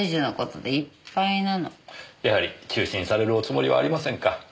やはり中止にされるおつもりはありませんか。